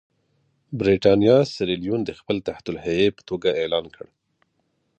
برېټانیا سیریلیون د خپل تحت الحیې په توګه اعلان کړ.